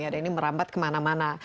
dan ini merambat kemana mana